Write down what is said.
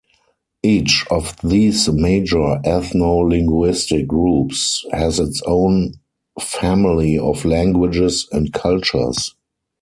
Each of these major ethno-linguistic groups has its own family of languages and cultures.